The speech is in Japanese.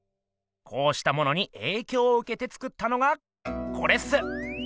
こうしたものにえいきょうをうけて作ったのがコレっす。